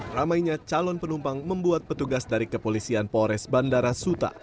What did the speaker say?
ramainya calon penumpang membuat petugas dari kepolisian polres bandara suta